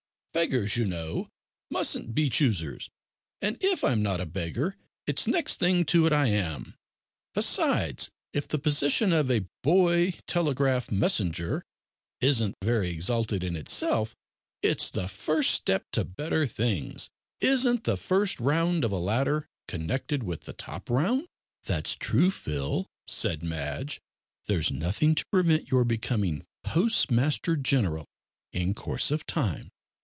"Beggars, you know, mustn't be choosers; an' if I'm not a beggar, it's next thing to it I am. Besides, if the position of a boy telegraph messenger isn't very exalted in itself, it's the first step to better things. Isn't the first round of a ladder connected with the top round?" "That's true, Phil," said Madge; "there's nothing to prevent your becoming Postmaster General in course of time."